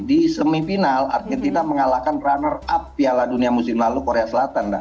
di semifinal artinya kita mengalahkan runner up piala dunia musim lalu korea selatan